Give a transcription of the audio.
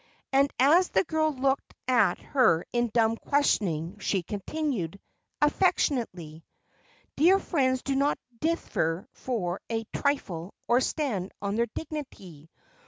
And as the girl looked at her in dumb questioning she continued, affectionately, "Dear friends do not differ for a trifle, or stand on their dignity.